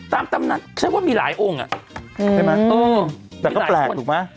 ตามตำนานฉันว่ามีหลายองค์อ่ะใช่ไหมเออแต่ก็แปลกถูกไหม